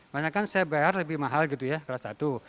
banyak kan saya bayar lebih mahal gitu ya kelas satu